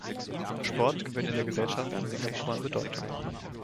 Sport gewinnt in der Gesellschaft von Singapur an Bedeutung.